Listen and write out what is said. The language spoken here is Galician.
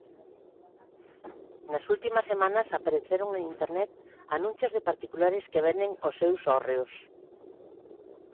Nas últimas semanas apareceron en Internet anuncios de particulares que venden os seus hórreos.